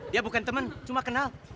dia bukan teman cuma kenal